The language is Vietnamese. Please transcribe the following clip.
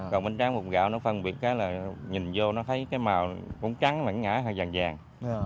còn bánh tráng bột gạo nó phân biệt cái là nhìn vô nó thấy cái màu cũng trắng mà nó ngã hơi vàng vàng